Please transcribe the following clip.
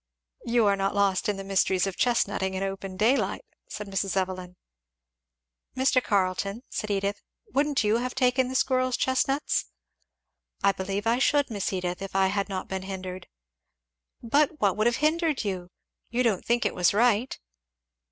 "You are not lost in the mysteries of chestnuting in open daylight," said Mrs. Evelyn. "Mr. Carleton," said Edith, "wouldn't you have taken the squirrel's chestnuts?" "I believe I should, Miss Edith, if I had not been hindered." "But what would have hindered you? don't you think it was right?"